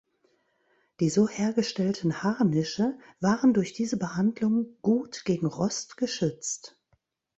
Die so hergestellten Harnische waren durch diese Behandlung gut gegen Rost geschützt.